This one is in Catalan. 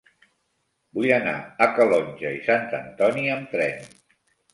Vull anar a Calonge i Sant Antoni amb tren.